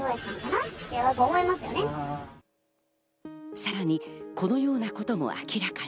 さらに、このようなことも明らかに。